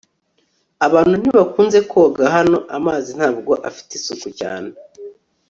abantu ntibakunze koga hano. amazi ntabwo afite isuku cyane